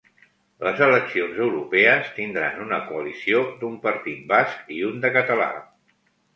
Les eleccions europees tindran una coalició d'un partit basc i un de català